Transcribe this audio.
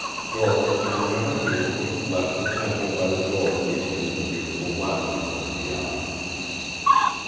Dora turned on her heel and left the temple by the door leading into the beautiful lounging room beyond.